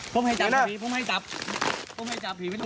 คุณสี่แซนใช่มั้ย